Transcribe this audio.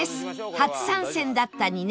初参戦だったねえ！